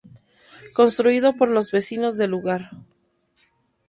Construido por los vecinos del lugar.